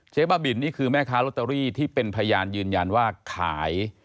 บ้าบินนี่คือแม่ค้าลอตเตอรี่ที่เป็นพยานยืนยันว่าขาย